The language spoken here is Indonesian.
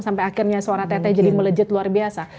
sampai akhirnya suara tete jadi melejit luar biasa